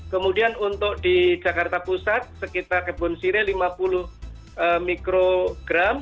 kemudian untuk di jakarta pusat sekitar kebun sirih lima puluh mikrogram